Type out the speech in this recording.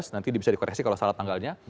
nanti bisa dikoreksi kalau salah tanggalnya